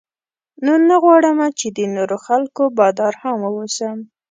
نو نه غواړم چې د نورو خلکو بادار هم واوسم.